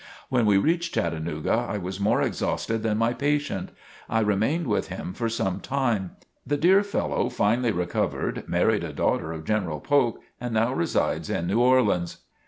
When we reached Chattanooga I was more exhausted than my patient. I remained with him for some time. The dear fellow finally recovered, married a daughter of General Polk, and now resides in New Orleans.